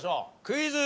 クイズ。